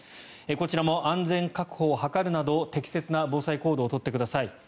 こちらも安全確保を図るなど適切な防災行動を取ってください。